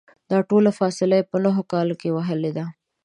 دا ټوله فاصله یې په نهو کالو کې وهلې ده.